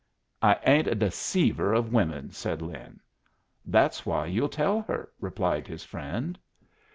"I ain't a deceiver of women," said Lin. "That's why you'll tell her," replied his friend.